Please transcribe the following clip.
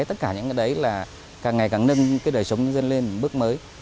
tất cả những cái đấy là càng ngày càng nâng đời sống nhân dân lên một bước mới